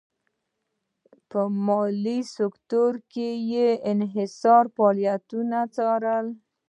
په مالي سکتور کې یې انحصاري فعالیتونه څارل.